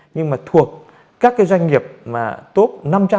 nhưng mà thuộc các cái doanh nghiệp mà top năm trăm linh